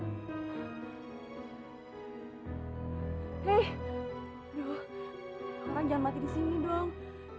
orang jangan mati disini dong